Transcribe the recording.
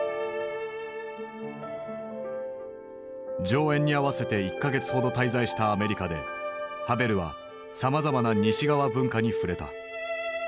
上演に合わせて１か月ほど滞在したアメリカでハヴェルはさまざまな西側文化に触れた。